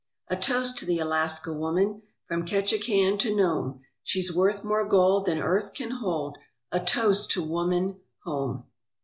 A toast to the Alaska woman From Ketchikan to Nome, She's worth more gold than earth can hold, A toast to woman home.